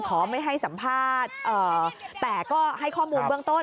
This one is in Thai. ไม่ให้สัมภาษณ์แต่ก็ให้ข้อมูลเบื้องต้น